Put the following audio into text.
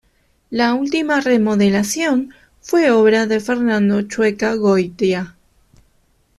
La última remodelación fue obra de Fernando Chueca Goitia.